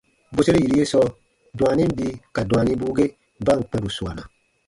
Bwerseru yiru ye sɔɔ, dwaanin bii ka dwaanibuu ge ba ǹ kpɛ̃ bù suana,